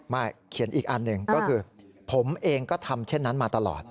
เขียนอีกอันหนึ่งก็คือผมเองก็ทำเช่นนั้นมาตลอด